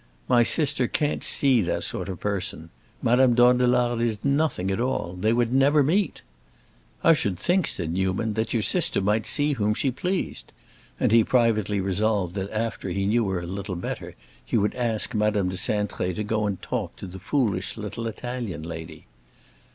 "My sister can't see that sort of person. Madame Dandelard is nothing at all; they would never meet." "I should think," said Newman, "that your sister might see whom she pleased." And he privately resolved that after he knew her a little better he would ask Madame de Cintré to go and talk to the foolish little Italian lady.